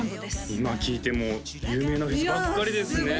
今聞いて有名なフェスばっかりですね